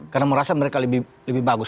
karena merasa mereka lebih bagus